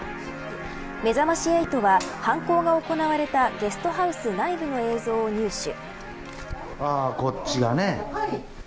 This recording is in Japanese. めざまし８は犯行が行われたゲストハウス内部の映像を入手。